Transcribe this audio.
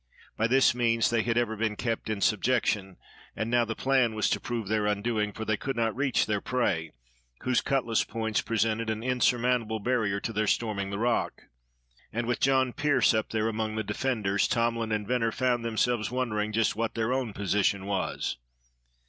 By this means they had ever been kept in subjection; and now the plan was to prove their undoing; for they could not reach their prey, whose cutlas points presented an insurmountable barrier to their storming the rock. And with John Pearse up there among the defenders, Tomlin and Venner found themselves wondering just what their own position was.